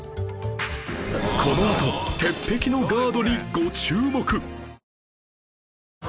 このあと鉄壁のガードにご注目！